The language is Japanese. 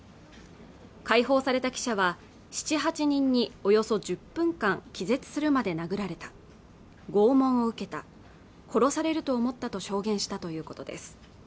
解放された記者は７８人におよそ１０分間気絶するまで殴られた拷問を受けた殺されると思ったと証言したということです